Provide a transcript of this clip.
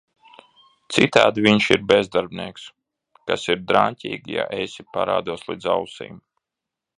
Citādi viņš ir bezdarbnieks - kas ir draņķīgi, ja esi parādos līdz ausīm…